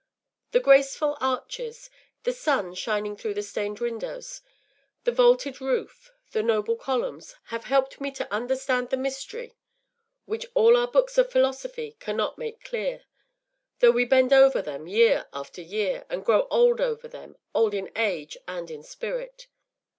The graceful arches, the sun shining through the stained windows, the vaulted roof, the noble columns, have helped me to understand the mystery which all our books of philosophy cannot make clear, though we bend over them year after year, and grow old over them, old in age and in spirit.